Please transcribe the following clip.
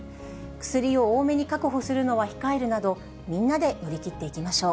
薬を多めに確保するのは控えるなど、みんなで乗り切っていきましょう。